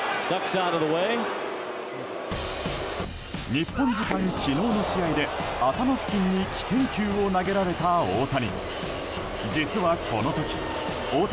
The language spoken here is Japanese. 日本時間、昨日の試合で頭付近に危険球を投げられた大谷。